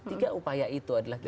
tiga upaya itu adalah